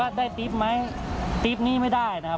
ได้ติ๊บไหมติ๊บนี้ไม่ได้นะครับ